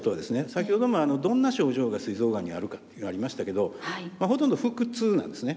先ほどもどんな症状がすい臓がんにあるかというのがありましたけどほとんど腹痛なんですね。